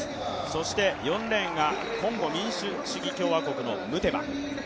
そして４レーンがコンゴ民主共和国のムテバ。